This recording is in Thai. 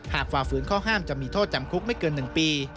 ฝ่าฝืนข้อห้ามจะมีโทษจำคุกไม่เกิน๑ปี